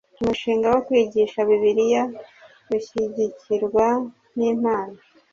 Umushinga wo kwigisha Bibiliya ushyigikirwa n impano